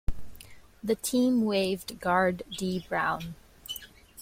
The team waived guard Dee Brown.